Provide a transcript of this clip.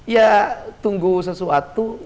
ya tunggu sesuatu